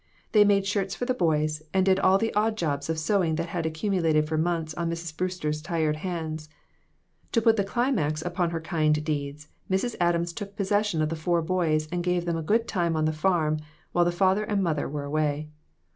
They made shirts for the boys, and did all the odd jobs of sewing that had accumulated for months on Mrs. Brewster's tired hands. To put the climax upon her kind deeds, Mrs. Adams took possession of the four boys and gave them a good time on the farm while the father and mother were away.